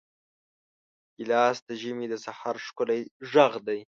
ګیلاس د ژمي د سحر ښکلی غږ دی.